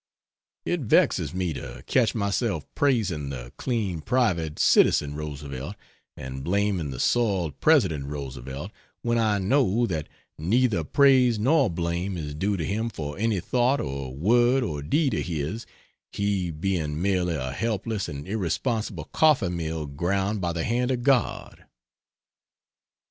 It vexes me to catch myself praising the clean private citizen Roosevelt, and blaming the soiled President Roosevelt, when I know that neither praise nor blame is due to him for any thought or word or deed of his, he being merely a helpless and irresponsible coffee mill ground by the hand of God.